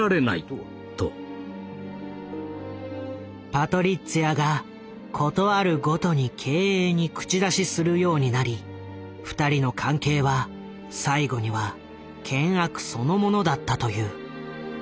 パトリッツィアが事あるごとに経営に口出しするようになり２人の関係は最後には険悪そのものだったという。